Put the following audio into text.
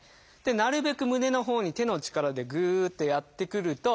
なるべく胸のほうに手の力でぐってやってくると。